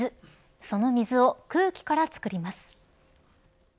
その水を、空気から作ります。